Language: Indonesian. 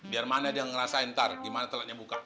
biar mana dia ngerasain ntar gimana telatnya buka